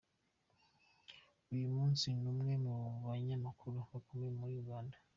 Uyu munsi ni umwe mu banyamakuru bakomeye muri Uganda.